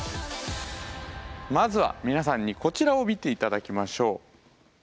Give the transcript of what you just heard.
まずは皆さんにこちらを見て頂きましょう。